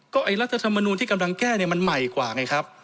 ไอ้รัฐธรรมนูลที่กำลังแก้เนี่ยมันใหม่กว่าไงครับ